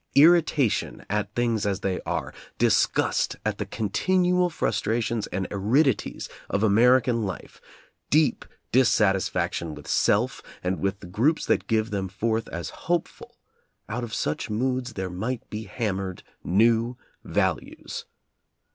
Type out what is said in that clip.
Irritation at things as they are, disgust at the continual frus trations and aridities of American life, deep dis satisfaction with self and with the groups that give themselves forth as hopeful, — out of such moods there might be hammered new values.